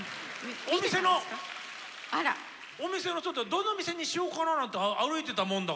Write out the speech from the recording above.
どの店にしようかななんて歩いてたもんだから。